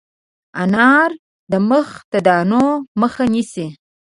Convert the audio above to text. انار د مخ د دانو مخه نیسي.